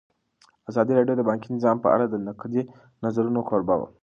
ازادي راډیو د بانکي نظام په اړه د نقدي نظرونو کوربه وه.